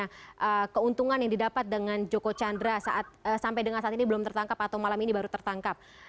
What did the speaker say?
nah keuntungan yang didapat dengan joko chandra sampai dengan saat ini belum tertangkap atau malam ini baru tertangkap